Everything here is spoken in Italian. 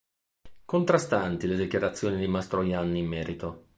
Contrastanti le dichiarazioni di Mastroianni in merito.